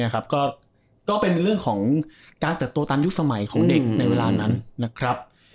ก็เป็นเรื่องของการเติบโตตามยุคสมัยของเด็กในเวลานั้นนะครับ